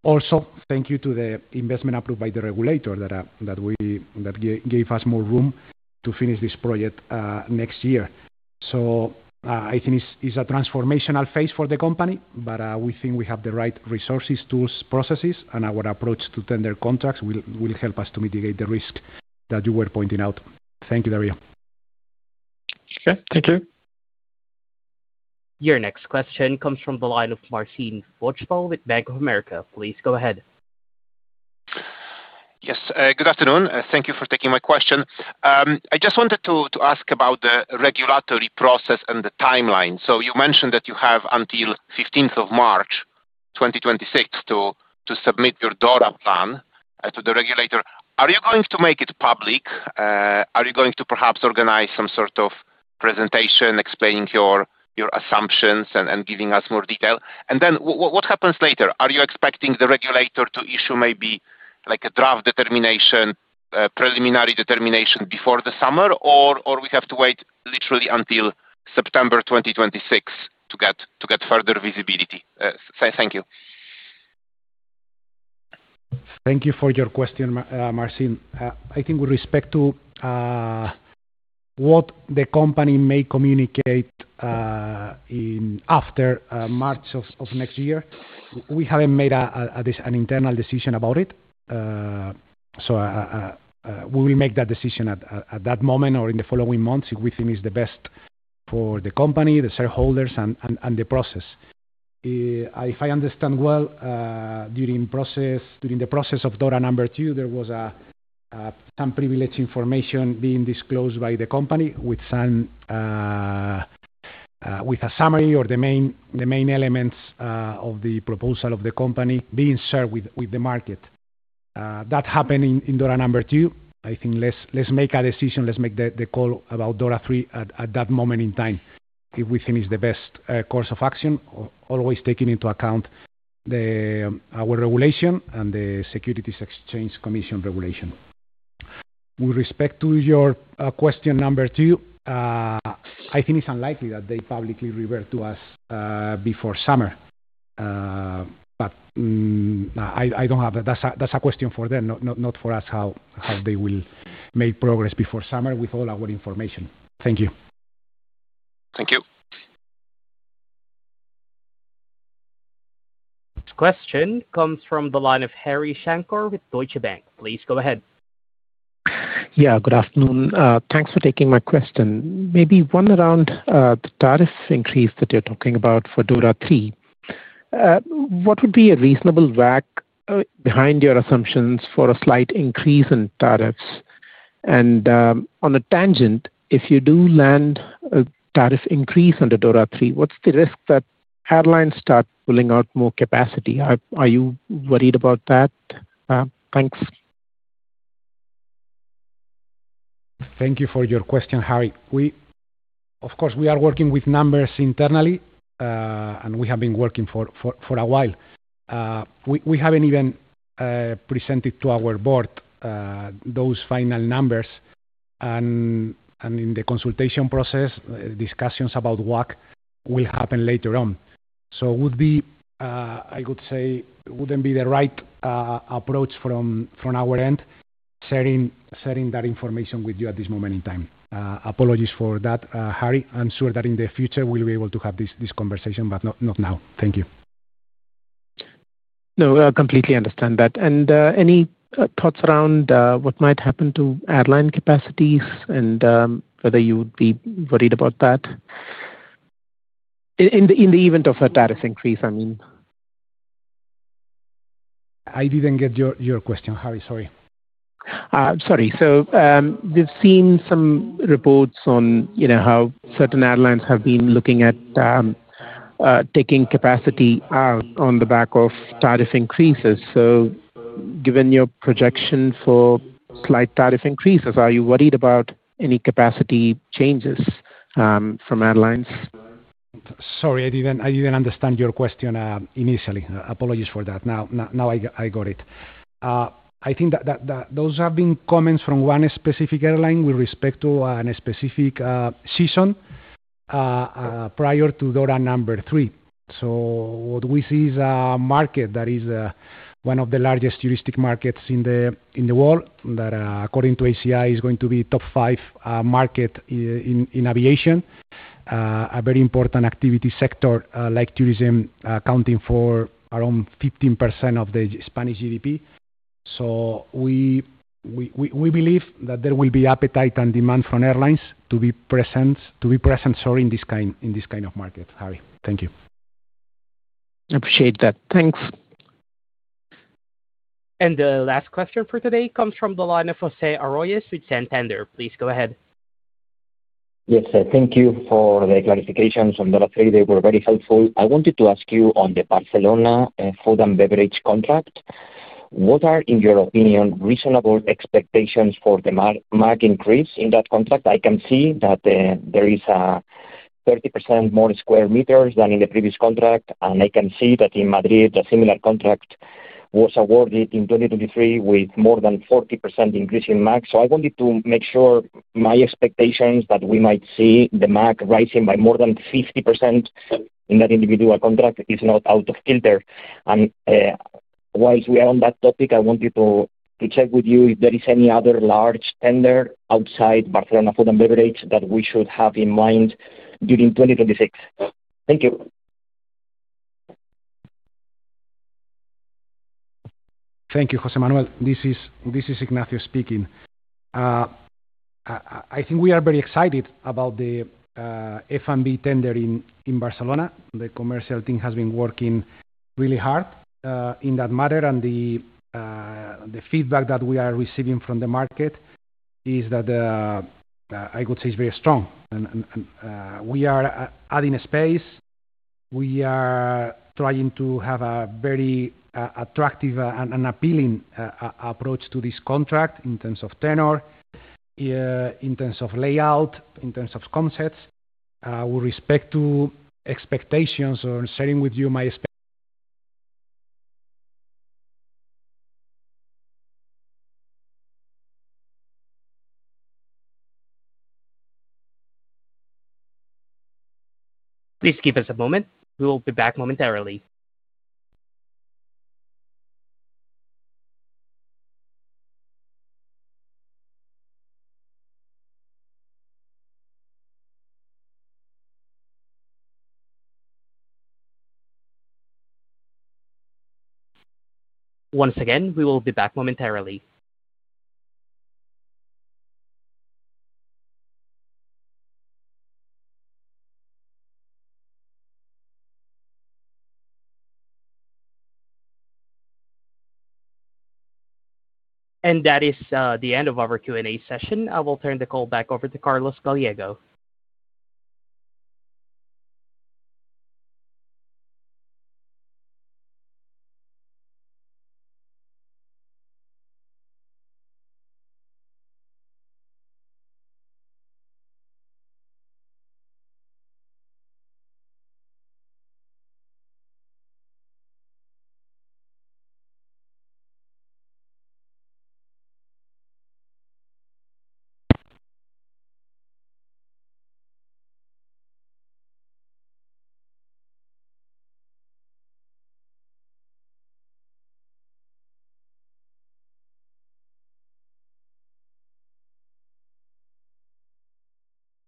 Also, thank you to the investment approved by the regulator that gave us more room to finish this project next year. I think it's a transformational phase for the company. We think we have the right resources, tools, processes, and our approach to tender contracts will help us to mitigate the risk that you were pointing out. Thank you, Dario. Okay, thank you. Your next question comes from the line of Marcin Wojtal with Bank of America. Please go ahead. Yes, good afternoon. Thank you for taking my question. I just wanted to ask about the regulatory process and the timeline. You mentioned that you have until March 15, 2026 to submit your DORA plan to the regulator. Are you going to make it public? Are you going to perhaps organize some sort of presentation explaining your assumptions and giving us more detail, and then what happens later? Are you expecting the regulator to issue maybe like a draft preliminary determination before the summer, or do we have to wait literally until September 2026 to get further visibility? Thank you. Thank you for your question, Marcin. I think with respect to what the company may communicate after March of next year, we haven't made an internal decision about it. We will make that decision at that moment or in the following months if we think it is the best for the company, the shareholders, and the process. If I understand well, during the process of DORA II, there was some privileged information being disclosed by the company with a summary or the main elements of the proposal of the company being shared with the market. That happened in DORA II. I think let's make a decision, let's make the call about DORA III at that moment in time if we think it is the best course of action, always taking into account our regulation and the Securities Exchange Commission regulation. With respect to your question number two, I think it's unlikely that they publicly revert to us before summer. I don't have that. That's a question for them, not for us, how they will make progress before summer with all our information. Thank you. Thank you. Question comes from the line of Harishankar with Deutsche Bank. Please go ahead. Yeah, good afternoon. Thanks for taking my question. Maybe one around the tariff increase that you're talking about for DORA III. What would be a reasonable WACC behind your assumptions for a slight increase in tariffs? On a tangent, if you do land a tariff increase under DORA III, what's the risk that airlines start pulling out more capacity? Are you worried about that? Thanks. Thank you for your question, Hari. We are working with numbers internally and we have been working for a while. We haven't even presented to our board those final numbers. In the consultation process, discussions about WACC will happen later on. It wouldn't be the right approach from our end sharing that information with you at this moment in time. Apologies for that, Hari. I'm sure that in the future we'll be able to have this conversation, but not now. Thank you. I completely understand that. Any thoughts around what might happen to airline capacities and whether you would be worried about that in the event of a tariff increase? I mean. I didn't get your question, Hari. Sorry. We've seen some reports on how certain airlines have been looking at taking capacity out on the back of tariff increases. Given your projection for slight tariff increases, are you worried about any capacity changes from airlines? Sorry, I didn't understand your question initially. Apologies for that. Now I got it. I think that those have been comments from one specific airline with respect to a specific season prior to DORA III. What we see is a market that is one of the largest juristic markets in the world that, according to ACI, is going to be a top five market in aviation, a very important activity sector like tourism accounting for around 15% of the Spanish GDP. We believe that there will be appetite and demand from airlines to be present in this kind of market. Thank you. Appreciate that. Thanks. The last question for today comes from the line of José Arroyas with Santander. Please go ahead. Yes, thank you for the clarifications on DORA III. They were very helpful. I wanted to ask you on the Barcelona food and beverage contract, what are, in your opinion, reasonable expectations for the MAG increase in that contract. I can see that there is 30% more square meters than in the previous contract, and I can see that in Madrid a similar contract was awarded in 2023 with more than 40% increase in MAG. I wanted to make sure my expectations that we might see the MAG rising by more than 50% in that individual contract is not out of kilter. While we are on that topic, I wanted to check with you if there is any other large tender outside Barcelona food and beverage that we should have in mind during 2026. Thank you. Thank you, José Manuel. This is Ignacio speaking. I think we are very excited about the F&B tender in Barcelona. The commercial team has been working really hard in that matter. The feedback that we are receiving from the market is, I would say, very strong. We are adding space. We are trying to have a very attractive and appealing approach to this contract in terms of tenor, in terms of layout, in terms of concepts. With respect to expectations, on sharing with you my expectations. Please give us a moment. We will be back momentarily. Once again, we will be back momentarily. That is the end of our Q&A session. I will turn the call back over to Carlos Gallego.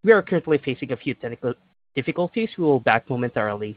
We are currently facing a few technical difficulties. We will be back momentarily.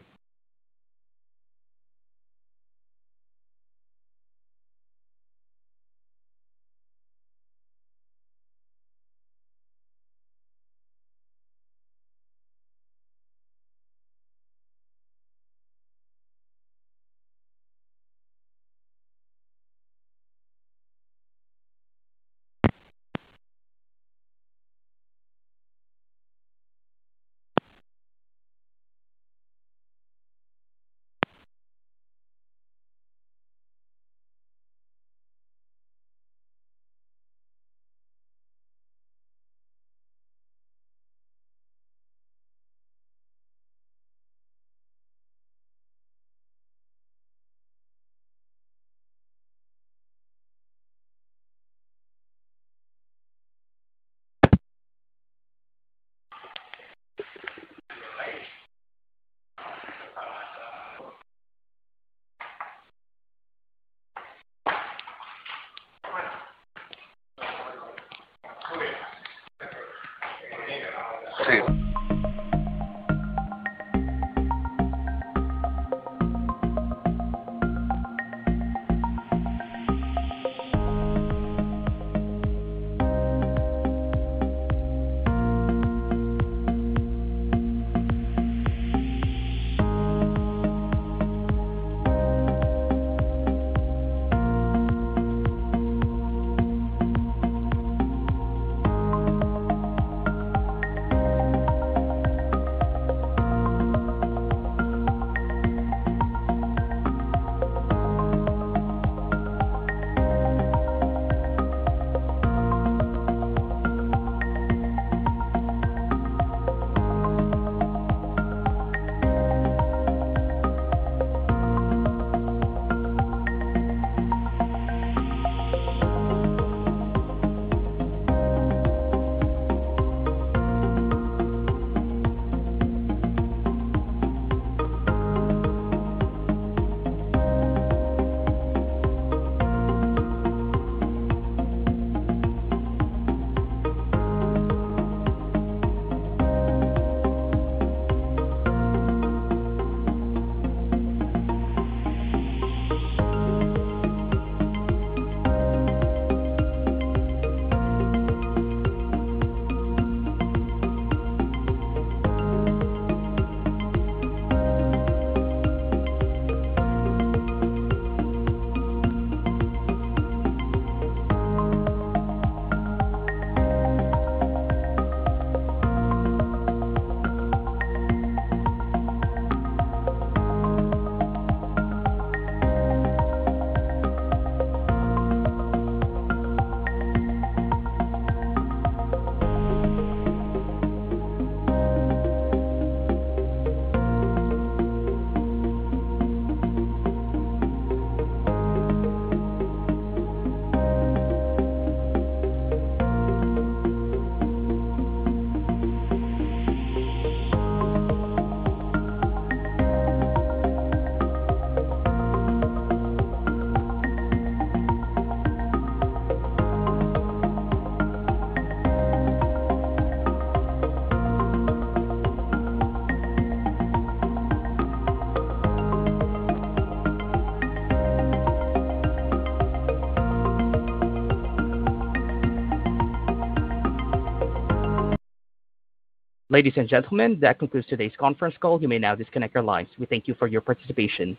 See you. Ladies and gentlemen, that concludes today's conference call. You may now disconnect your lines. We thank you for your participation.